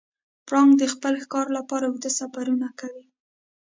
پړانګ د خپل ښکار لپاره اوږده سفرونه کوي.